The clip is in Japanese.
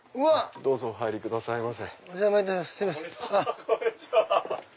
どうぞお入りくださいませ。